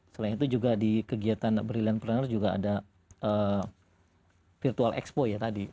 selain itu juga di kegiatan brilliantpreneur juga ada virtual expo ya tadi